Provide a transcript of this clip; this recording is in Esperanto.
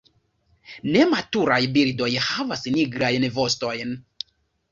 Nematuraj birdoj havas nigrajn vostojn.